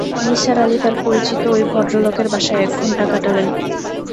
নিসার আলি তাঁর পরিচিত ঐ ভদ্রলোকের বাসায় এক ঘন্টা কাটালেন।